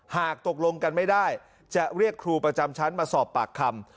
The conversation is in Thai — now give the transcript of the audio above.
หากตกลงกันไม่ได้จะเรียกครูประจำชั้นมาสอบปากคำ